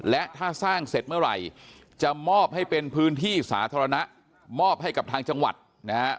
และถ้าสร้างเสร็จเมื่อไหร่จะมอบให้เป็นพื้นที่สาธารณะมอบให้กับทางจังหวัดนะฮะ